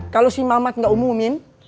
kalau si mamat enggak ngumumin